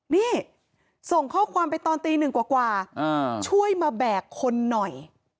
นี่ส่งข้อความไปตอนตีหนึ่งกว่าช่วยมาแบกคนหน่อย